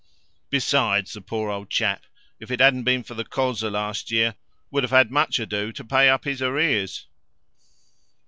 Besides, the poor old chap, if it hadn't been for the colza last year, would have had much ado to pay up his arrears."